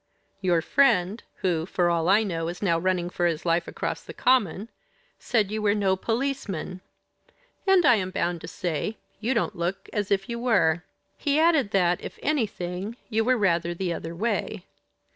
Your friend, who, for all I know, is now running for his life across the common, said you were no policeman and, I am bound to say, you don't look as if you were; he added that, if anything, you were rather the other way.